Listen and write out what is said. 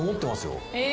え！